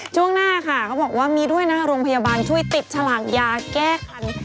ช่วงหน้าค่ะเขาบอกว่ามีด้วยนะโรงพยาบาลช่วยติดฉลากยาแก้คัน